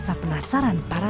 atau masa itu yang dicari